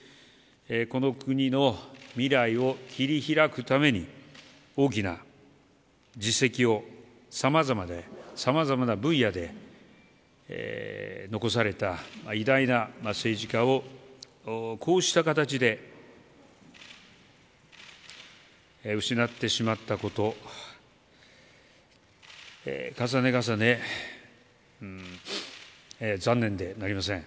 この国の未来を切り開くために大きな実績をさまざまな分野で残された偉大な政治家をこうした形で失ってしまったこと重ね重ね、残念でなりません。